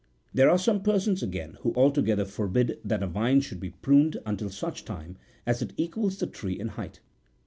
There are some persons, again, who altogether forbid that^ a vine should be pruned until such time as it equals the tree in height.